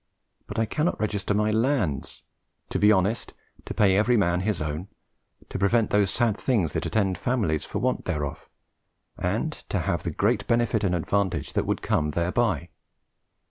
But I cannot register my lands, to be honest, to pay every man his own, to prevent those sad things that attend families for want thereof, and to have the great benefit and advantage that would come thereby.